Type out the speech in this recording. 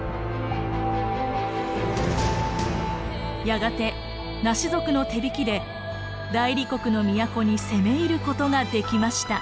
やがてナシ族の手引きで大理国の都に攻め入ることができました。